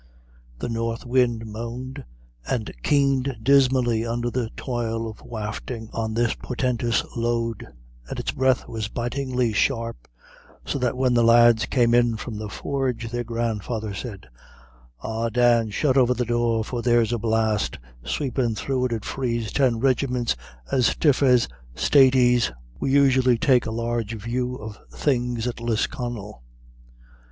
The north wind moaned and keened dismally under the toil of wafting on this portentous load, and its breath was bitingly sharp, so that when the lads came in from the forge, their grandfather said, "Ah, Dan, shut over the door, for there's a blast sweepin' through it 'ud freeze ten rigiments as stiff as staties." We usually take a large view of things at Lisconnel.